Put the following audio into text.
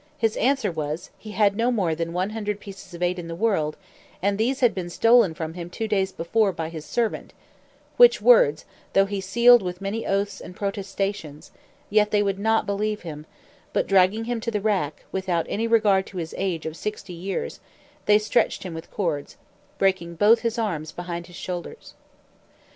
His answer was, he had no more than one hundred pieces of eight in the world, and these had been stolen from him two days before by his servant; which words, though he sealed with many oaths and protestations, yet they would not believe him, but dragging him to the rack, without any regard to his age of sixty years, they stretched him with cords, breaking both his arms behind his shoulders.